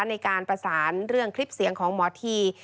ในการประสานเรื่องคลิปเสียงของหมอที